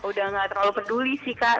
udah gak terlalu peduli sih kak